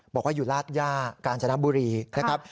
บอกว่าอยู่ราชย่ากาญจนบุรีนะครับ